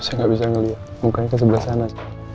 saya ga bisa ngeliat mukanya kan sebelah sana